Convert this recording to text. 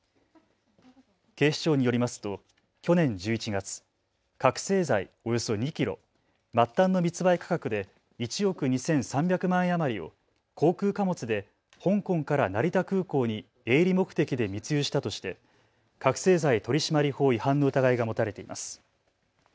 警視庁によりますと去年１１月、覚醒剤およそ２キロ、末端の密売価格で１億２３００万円余りを航空貨物で香港から成田空港に営利目的で密輸したとして覚醒剤取締法違反の疑いが持たれています。